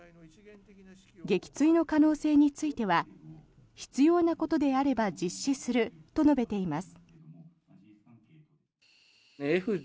撃墜の可能性については必要なことであれば実施すると述べています。